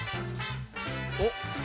おっ！